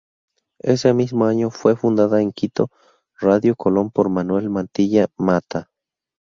Ese mismo año, fue fundada en Quito Radio Colón por Manuel Mantilla Mata.